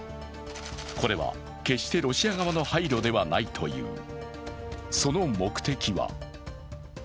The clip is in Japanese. これは決してロシア側の配慮ではないという。